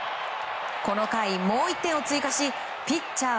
この回、もう１点を追加しピッチャー